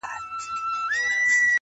o په گيلاس او په ساغر دي اموخته کړم.